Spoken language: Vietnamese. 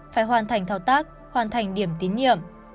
phải hoàn thành thao tác hoàn thành điểm tín nhiệm